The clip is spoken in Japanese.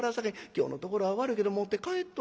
今日のところは悪いけど持って帰っと」。